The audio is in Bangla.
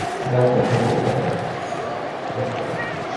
বাপরে, খড়ের গাঁদায় সূচ খোঁজার মতো!